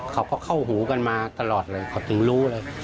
เขาก็เข้าหูกันมาตลอดเลยเขาถึงรู้เลย